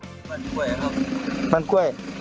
มีฟันกล้วยครับฟันกล้วย